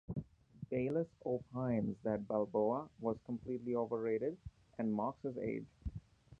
Bayless opines that Balboa "was completely overrated" and mocks his age.